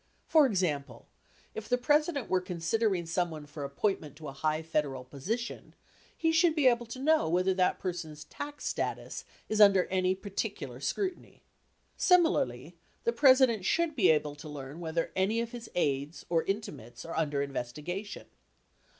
For example, if the President were considering someone for appointment to a high Federal position, he should be able to know whether that person's tax status is under any particular scrutiny. Similarly, the President should be able to learn whether any of his aides or intimates are under investigation.